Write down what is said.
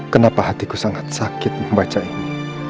kenapa hatiku sangat sakit membaca ini